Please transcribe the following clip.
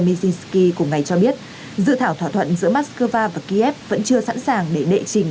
myshky cùng ngày cho biết dự thảo thỏa thuận giữa moscow và kiev vẫn chưa sẵn sàng để đệ trình